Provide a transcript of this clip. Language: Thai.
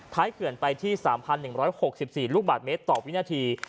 เขื่อนไปที่๓๑๖๔ลูกบาทเมตรต่อวินาที